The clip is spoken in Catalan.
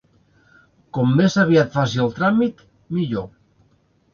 Com més aviat faci el tràmit, millor.